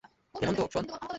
হেমন্ত, শোন।